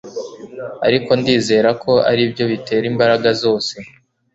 ariko ndizera ko aribyo bitera imbaraga zose